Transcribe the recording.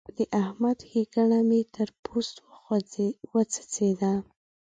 د احمد ښېګڼه مې تر پوست وڅڅېده.